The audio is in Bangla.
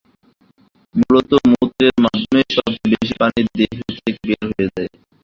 মূলতঃ মূত্রের মাধ্যমেই সবচেয়ে বেশি পানি দেহ থেকে বের হয়ে যায়।